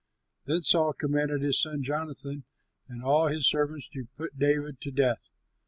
Then Saul commanded his son Jonathan and all his servants to put David to death.